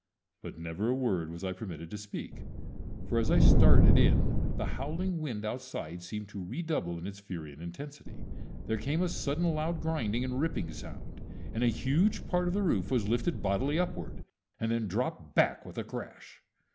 But never a word was I permitted to speak; for as I started in the howling wind outside seemed to re double in its fury and intensity. There came a sudden loud grinding and ripping sound, and a huge part of the roof was lifted bodily upward, and then dropped back with a crash.